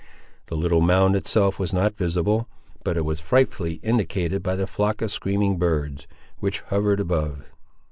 The little mound itself was not visible; but it was frightfully indicated by the flock of screaming birds which hovered above.